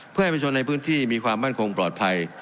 เพื่อให้ประชนในพื้นที่มีความมั่นคงปลอดภัย